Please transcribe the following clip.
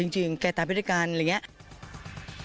จริงแกตายไปด้วยกันอะไรอย่างนี้